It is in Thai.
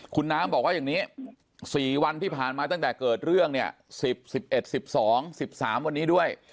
คุณน้ำบอกว่าอย่างนี้๔วันที่ผ่านมาตั้งแต่เกิดเรื่องเนี่ย๑๐๑๑๑๑๒๑๓วันนี้ด้วย